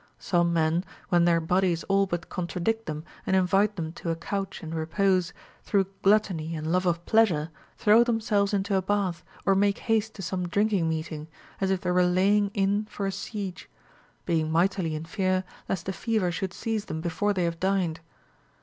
Some men, when their bodies all but contradict them and invite them to a couch and repose, through gluttony and love of pleasure throw themselves into a bath or make haste to some drinking meeting, as if they were laying in for a siege ; being mightily in fear lest the fever should seize them before they have dined.